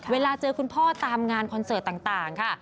เวลาเจอคุณพ่อตามงานคอนเสิร์ตต่างค่ะ